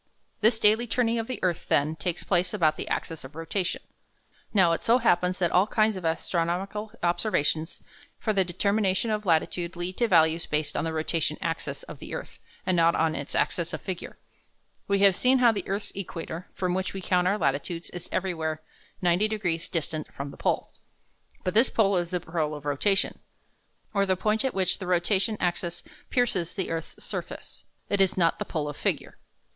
This daily turning of the earth, then, takes place about the axis of rotation. Now, it so happens that all kinds of astronomical observations for the determination of latitude lead to values based on the rotation axis of the earth, and not on its axis of figure. We have seen how the earth's equator, from which we count our latitudes, is everywhere 90 degrees distant from the pole. But this pole is the pole of rotation, or the point at which the rotation axis pierces the earth's surface. It is not the pole of figure.